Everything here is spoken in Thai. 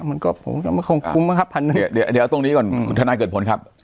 มันก็ไม่คงคุ้มอะครับพันหนึ่งเดี๋ยวตรงนี้ก่อนคุณธนายเกิดผลครับ